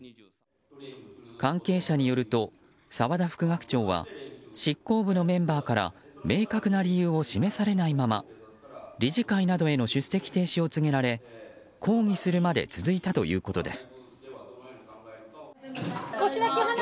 関係者によると、沢田副学長はしっこぶのメンバーから明確な理由を示されないまま理事会などへの出席停止を告げられ抗議するまで続いたということです。